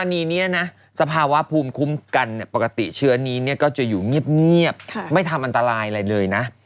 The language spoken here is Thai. อันนี้นะสภาวะภูมิคุ้มกันปกติเชื้อนี้ก็จะอยู่เงียบไม่ทำอันตรายอะไรเลยนะ